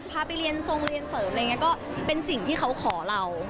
พาไปเรียนทรงเรียนเสริมอะไรอย่างนี้ก็เป็นสิ่งที่เขาขอเรา